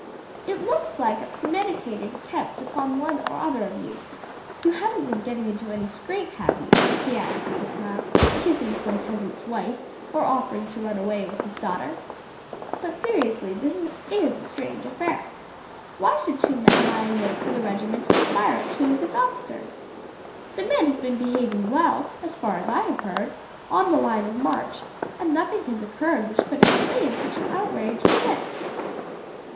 "It looks like a premeditated attempt upon one or other of you. You haven't been getting into any scrape, have you?" he asked with a smile; "kissing some peasant's wife or offering to run away with his daughter? But seriously this is a strange affair. Why should two men lie in wait for the regiment and fire at two of its officers? The men have been behaving well, as far as I have heard, on the line of march, and nothing has occurred which could explain such an outrage as this."